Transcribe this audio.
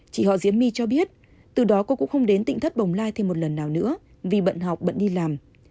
chị họ diễm my cho biết từ đó cô cũng không đến tỉnh thất bồng lai thêm một lần nào nữa vì bận học bận đi làm